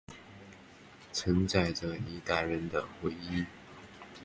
承载着一代人的记忆